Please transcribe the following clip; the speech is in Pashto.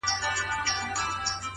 فکر د انسان لار ټاکي,